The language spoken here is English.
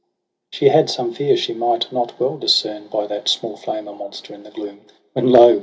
She had some fear she might not well discern By that small flame a monster in the gloom ; When lo